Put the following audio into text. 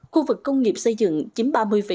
khu vực công nghiệp xây dựng chiếm ba mươi một mươi